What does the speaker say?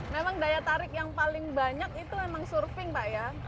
memang daya tarik yang paling banyak itu memang surfing pak ya